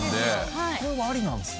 これもありなんですね。